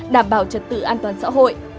đảm bảo trật tự an toàn xã hội